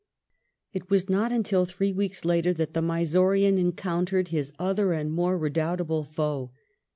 It was not until three weeks later that the Mysorean encountered his other and more redoubtable foe.